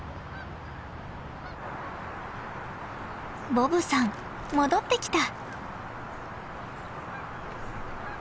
ボブさん戻ってきた。